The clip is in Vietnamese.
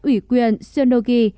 ủy quyền xionogi